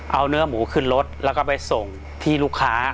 เอาเนื้อหมูขึ้นรถแล้วก็ไปส่งที่ลูกค้า